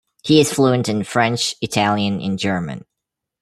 He is fluent in French, Italian, and German.